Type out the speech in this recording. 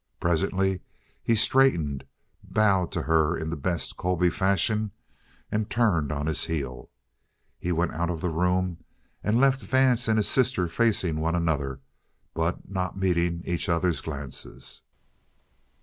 Presently he straightened, bowed to her in the best Colby fashion, and turned on his heel. He went out of the room and left Vance and his sister facing one another, but not meeting each other's glances.